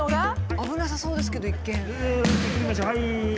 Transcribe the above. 危なさそうですけど一見。